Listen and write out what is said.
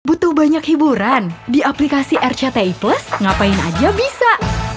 butuh banyak hiburan di aplikasi rcti plus ngapain aja bisa